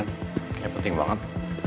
kayaknya penting banget